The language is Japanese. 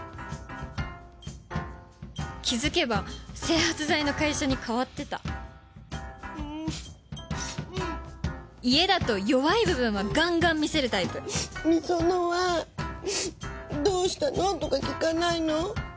気付けば整髪剤の会社に変わってた家だと弱い部分はガンガン見せるタイプ美園はどうしたの？とか聞かないの？